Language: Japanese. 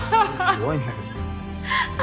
怖いんだけど。